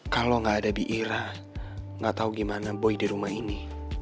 kalau nggak ada di ira nggak tahu gimana boy di rumah ini